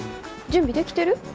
準備できてる？